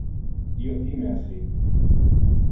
Io time assi.